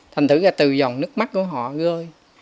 thành thử ra từ dòng nước mắt của họ gơi